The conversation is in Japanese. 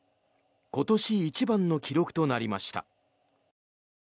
今年一番の記録となりました。